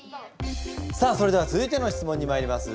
さあそれでは続いての質問にまいります。